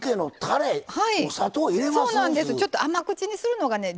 ちょっと甘口にするのがね